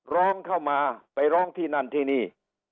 ร้องเข้ามาไปร้องที่นั่นที่นี่